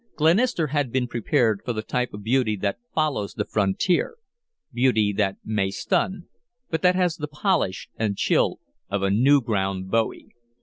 Glenister had been prepared for the type of beauty that follows the frontier; beauty that may stun, but that has the polish and chill of a new ground bowie.